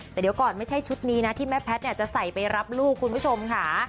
แต่เดี๋ยวก่อนไม่ใช่ชุดนี้นะที่แม่แพทย์จะใส่ไปรับลูกคุณผู้ชมค่ะ